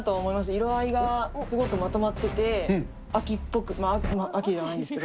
色合いがすごくまとまってて、秋っぽく、今秋じゃないんですけど。